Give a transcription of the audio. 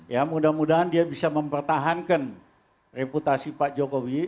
ya mudah mudahan dia bisa mempertahankan reputasi pak jokowi